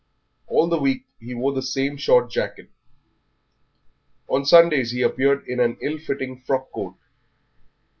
All the week he wore the same short jacket; on Sundays he appeared in an ill fitting frock coat.